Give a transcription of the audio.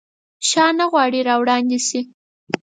شاه نه غواړي راوړاندي شي.